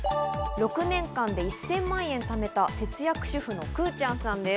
６年間で１０００万円を貯めた節約主婦のくぅちゃんさんです。